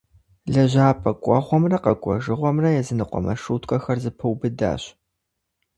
Лэжьапӏэ кӏуэгъуэмрэ къэкӏуэжыгъуэмрэ языныкъуэ маршруткэхэр зэпэубыдащ.